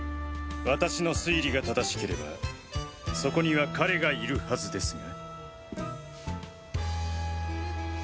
私の推理が正しければそこには彼がいるはずですが？